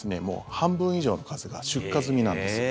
半分以上の数が出荷済みなんです。